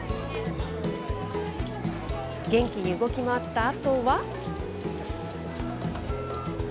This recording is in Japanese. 元気に動き回ったあとは。